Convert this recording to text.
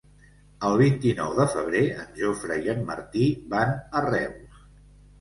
El vint-i-nou de febrer en Jofre i en Martí van a Reus.